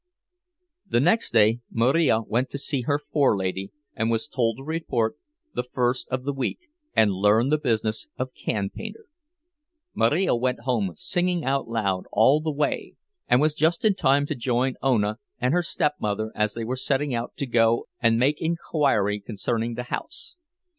The next day Marija went to see her "forelady," and was told to report the first of the week, and learn the business of can painter. Marija went home, singing out loud all the way, and was just in time to join Ona and her stepmother as they were setting out to go and make inquiry concerning the house.